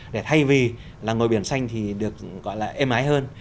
để thay vì là ngồi biển xanh thì được gọi là êm ái hơn